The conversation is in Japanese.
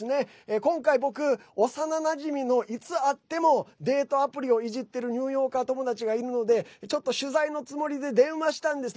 今回、僕、幼なじみのいつ会ってもデートアプリをいじっているニューヨーカー友達がいるのでちょっと取材のつもりで電話したんですね。